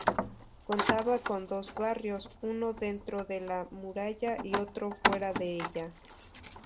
Contaba con dos barrios, uno dentro de la muralla y otro fuera de ella.